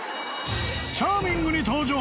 ［チャーミングに登場］